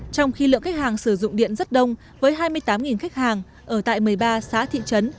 trong khi lượng khách hàng sử dụng điện rất đông với hai mươi tám khách hàng ở tại một mươi ba xã thị trấn